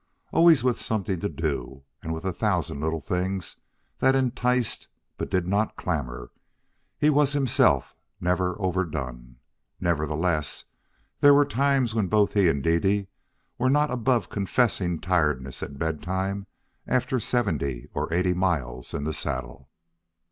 Always with something to do, and with a thousand little things that enticed but did not clamor, he was himself never overdone. Nevertheless, there were times when both he and Dede were not above confessing tiredness at bedtime after seventy or eighty miles in the saddle.